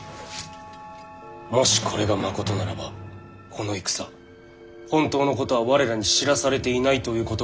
もしこれがまことならばこの戦本当のことは我らに知らされていないということもあろうかと。